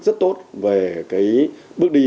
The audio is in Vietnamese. rất tốt về cái bước đi